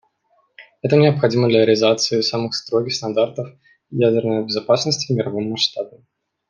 Это необходимо для реализации самых строгих стандартов ядерной безопасности в мировом масштабе.